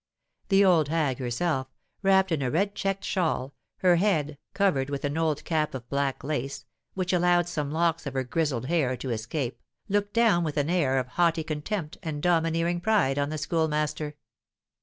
The old hag herself, wrapped in a red checked shawl, her head covered with an old cap of black lace, which allowed some locks of her grizzled hair to escape, looked down with an air of haughty contempt and domineering pride on the Schoolmaster.